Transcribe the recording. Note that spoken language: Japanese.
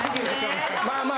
まあまあ。